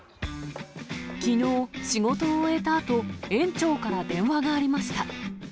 きのう、仕事を終えたあと、園長から電話がありました。